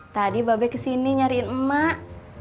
tadi babek kesini nyariin emak